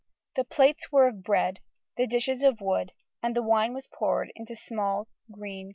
The plates were of bread, the dishes of wood, and the wine was poured into small green clay pots.